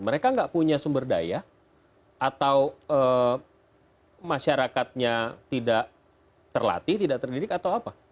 mereka nggak punya sumber daya atau masyarakatnya tidak terlatih tidak terdidik atau apa